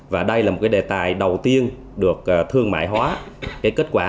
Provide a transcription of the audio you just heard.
và đây là một cái đề tài đầu tiên được thương mại hóa cái kết quả